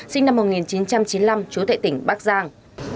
sinh năm một nghìn chín trăm chín mươi năm chú tệ tỉnh bắc giang